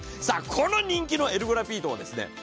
さあこの人気のエルゴラピードをですね